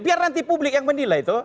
biar nanti publik yang menilai itu